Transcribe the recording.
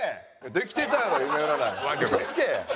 できてたやん。